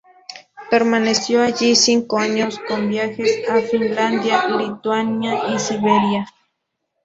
Permaneció allí cinco años, con viajes a Finlandia, Lituania y Siberia.